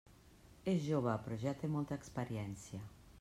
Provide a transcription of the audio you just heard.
És jove, però ja té molta experiència.